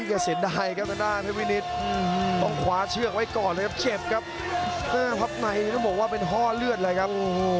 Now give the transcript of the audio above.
พับไหนต้องบอกว่าเป็นห้อเลือดเลยครับ